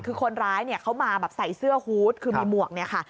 คือคนร้ายเขามาใส่เสื้อฮูตคือมีหมวก